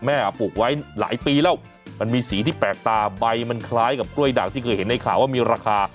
ปลูกไว้หลายปีแล้วมันมีสีที่แปลกตาใบมันคล้ายกับกล้วยด่างที่เคยเห็นในข่าวว่ามีราคา